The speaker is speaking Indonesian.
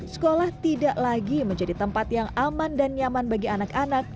sekolah tidak lagi menjadi tempat yang aman dan nyaman bagi anak anak